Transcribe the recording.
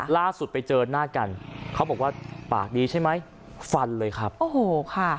ล่าสุดไปเจอหน้ากันเขาบอกว่าปากดีใช่ไหมฟันเลยครับโอ้โหค่ะ